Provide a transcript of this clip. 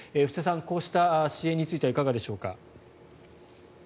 布施さん、こうした支援についていかがでしょうか。